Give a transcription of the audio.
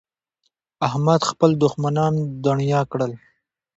احمد خپل دوښمنان دڼيا کړل.